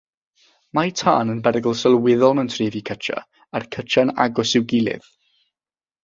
Mae tân yn berygl sylweddol mewn trefi cytiau a'r cytiau'n agos i'w gilydd.